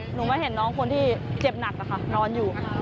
หนูมาเห็นน้องคนที่เจ็บหนักนะคะนอนอยู่